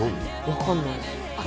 分かんないですあっ